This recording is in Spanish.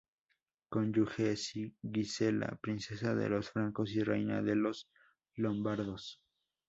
Cónyuge: Gisela: Princesa de los Francos y Reina de los Lombardos.